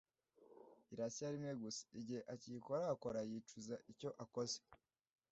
irashya rimwe gusa! igihe akiyikorakora yicuza icyo akoze